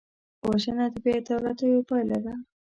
وژنه د بېعدالتیو پایله ده